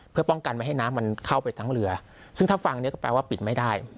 เพื่อป้องกันไม่ให้น้ำมันเข้าไปทั้งเรือซึ่งถ้าฟังเนี่ยก็แปลว่าปิดไม่ได้